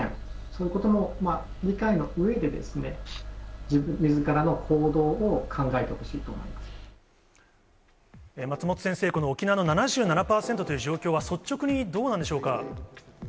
そういうことも理解のうえで、みずからの行動を考えてほしいと松本先生、この沖縄の７７％という状況は、率直にどうなんでしょうか？